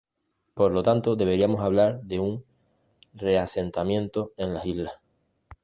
Por lo tanto, deberíamos hablar de un "reasentamiento" en las islas.